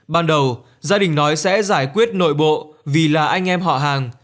ban đầu gia đình nói sẽ giải quyết nội bộ vì là anh em họ hàng